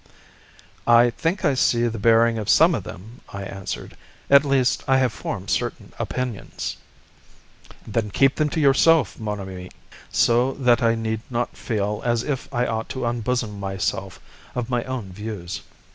"I think I see the bearing of some of them," I answered; "at least, I have formed certain opinions." "Then keep them to yourself, mon ami, so that I need not feel as if I ought to unbosom myself of my own views."